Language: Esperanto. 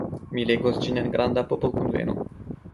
Mi legos ĝin en granda popolkunveno.